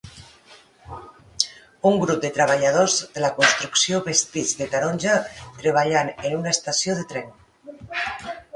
Un grup de treballadors de la construcció vestits de taronja treballant en una estació de tren.